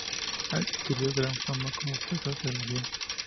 Adquirió gran fama como profesor de teología.